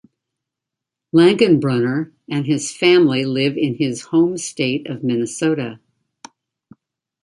Langenbrunner and his family live in his home state of Minnesota.